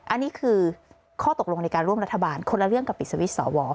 อันนี้คือข้อตกลงในการร่วมรัฐบาลคนละเรื่องกับปิดสวิตช์สว